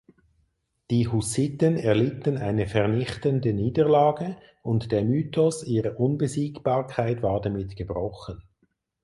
Die Hussiten erlitten eine vernichtende Niederlage und der Mythos ihrer Unbesiegbarkeit war damit gebrochen.